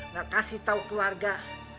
nggak kasih tau keluarga